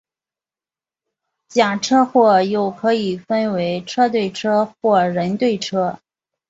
假车祸又可以分为车对车或人对车。